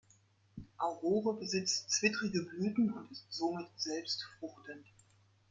Aurore besitzt zwittrige Blüten und ist somit selbstfruchtend.